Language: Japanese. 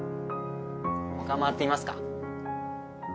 他回ってみますか？